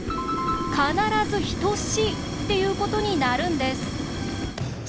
必ず等しいっていうことになるんです！